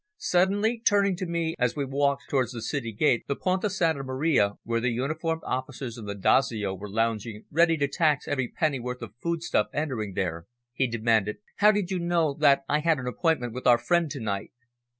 Suddenly turning to me as we walked towards the city gate, the Ponto Santa Maria, where the uniformed officers of the dazio were lounging ready to tax every pennyworth of food stuff entering there, he demanded "How did you know that I had an appointment with our friend to night?"